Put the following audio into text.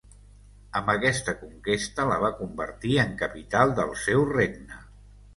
Amb aquesta conquesta la va convertir en capital del seu regne.